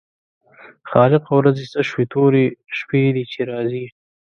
خالقه ورځې څه شوې تورې شپې دي چې راځي.